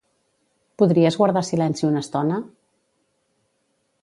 Podries guardar silenci una estona?